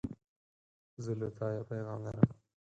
زه له تا یو پیغام لرم.